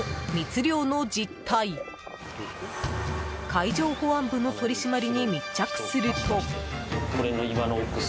海上保安部の取り締まりに密着すると。